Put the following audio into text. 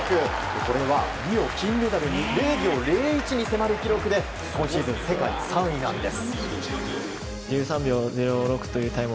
これはリオ金メダルに０秒０１に迫る記録で今シーズン世界３位なんです。